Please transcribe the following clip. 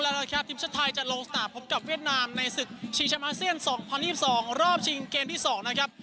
แล้วครับทิมชะไทยจะลงสนาดพบกับเวียดนามในศึกชีวิต๘๒รอบชีวิตเกมส์ที่๒นะครับ